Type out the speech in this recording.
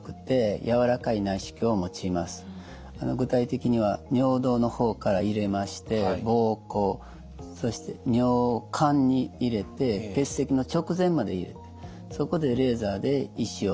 具体的には尿道の方から入れまして膀胱そして尿管に入れて結石の直前まで入れてそこでレーザーで石を割るという形になります。